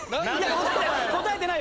答えてないよ！